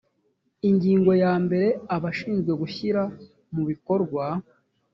ingingo ya mbere abashinzwe gushyira mu bikorwa